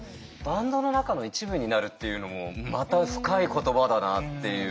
バンドの中の一部になるっていうのもまた深い言葉だなっていう。